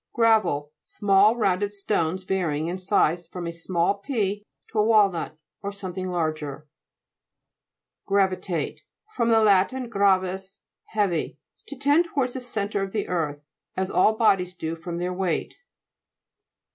GRA'VEL Small rounded stones vary ing in size from a small pea to a walnut, or something larger. GRAVITATE fr. lat. grams, heavy, To tend towards the centre of the earth, as ail bodies do from their weight.